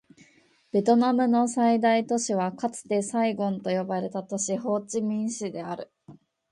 ベトナムの最大都市はかつてサイゴンと呼ばれた都市、ホーチミン市である